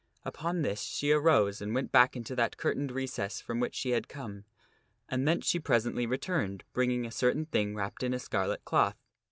Upon this she arose and went back into that curtained recess from which she had come, and thence she presently returned, bringing a certain thing wrapped in a scarlet cloth.